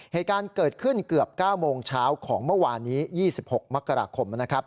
เหตุการณ์เกิดขึ้นเกือบ๙โมงเช้าของเมื่อวานนี้๒๖มกราคม